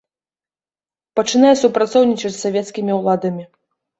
Пачынае супрацоўнічаць з савецкімі ўладамі.